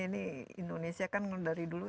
ini indonesia kan dari dulu